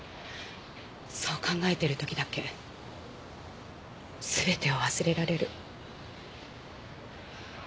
そう考えてる時だけ全てを忘れられる。